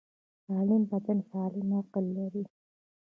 سالم بدن سالم عقل لري.